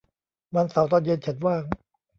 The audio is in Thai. วันเสาร์ตอนเย็นฉันว่าง